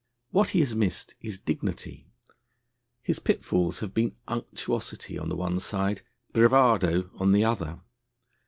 What he has missed is dignity: his pitfalls have been unctuosity, on the one side, bravado on the other.